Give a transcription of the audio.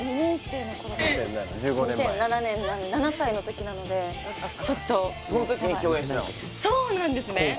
なんで７歳の時なのでちょっとそうなんですね